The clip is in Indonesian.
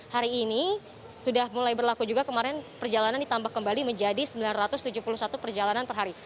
hari ini sudah mulai berlaku juga kemarin perjalanan ditambah kembali menjadi sembilan ratus tujuh puluh satu perjalanan per hari